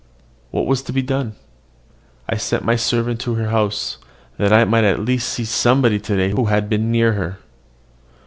What was to be done? I sent my servant to her house, that I might at least see somebody to day who had been near her.